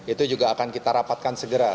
itu juga akan kita rapatkan segera